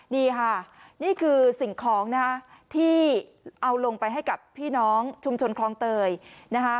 นี่ค่ะนี่คือสิ่งของนะคะที่เอาลงไปให้กับพี่น้องชุมชนคลองเตยนะคะ